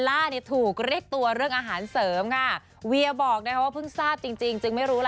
แหมตอบเรื่องคนอื่นนะครับไม่ใช่คนอื่นขออภัยนะคะ